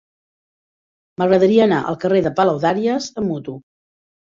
M'agradaria anar al carrer de Palaudàries amb moto.